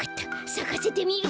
さかせてみる！